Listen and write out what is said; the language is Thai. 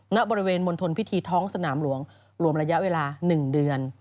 ณบริเวณมณฑลพิธีท้องสนามหลวงรวมระยะเวลา๑เดือน